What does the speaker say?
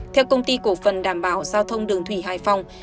theo công ty cổ phần đảm bảo giao thông đường thủy hải phòng